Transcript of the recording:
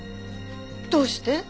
どうして？